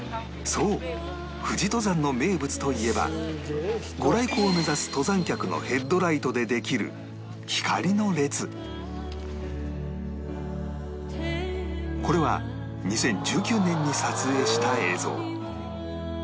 そう富士登山の名物といえば御来光を目指す登山客のヘッドライトでできるこれは２０１９年に撮影した映像